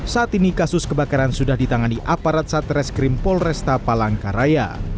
saat ini kasus kebakaran sudah ditangani aparat satreskrim polresta palangkaraya